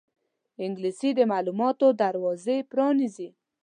انګلیسي د معلوماتو دروازې پرانیزي